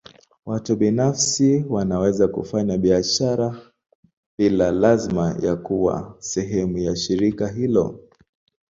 Watu binafsi wanaweza kufanya biashara bila lazima ya kuwa sehemu ya shirika lolote.